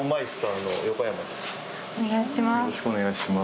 お願いします。